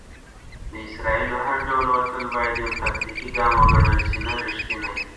د اسرائیلو هر ډول وتل بايد يو "تاکتيکي ګام وګڼل شي، نه ريښتينی".